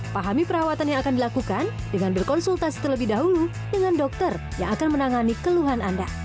pahami perawatan yang akan dilakukan dengan berkonsultasi terlebih dahulu dengan dokter yang akan menangani keluhan anda